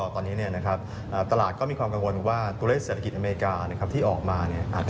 ตอนนี้ตลาดก็มีความกังวลว่าตัวเลขเศรษฐกิจอเมริกาที่ออกมา